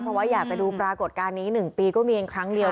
เพราะว่าอยากดูปรากฏการณ์นี้ก็มี๑ปีงังครั้งเดียว